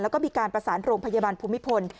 แล้วก็มีการประสานโรงพยาบาลภูมิพล